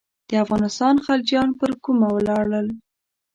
د افغانستان خلجیان پر کومه ولاړل.